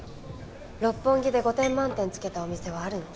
六本木で５点満点つけたお店はあるの？